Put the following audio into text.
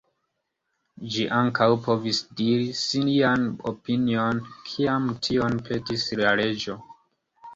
Ĝi ankaŭ povis diri sian opinion kiam tion petis la reĝo.